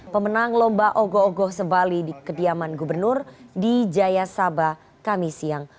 pemenang lomba ogo ogoh sebali di kediaman gubernur di jaya saba kami siang